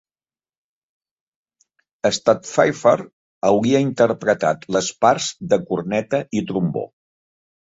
Stadtpfeifer hauria interpretat les parts de corneta i trombó.